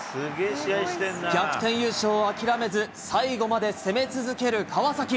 逆転優勝を諦めず、最後まで攻め続ける川崎。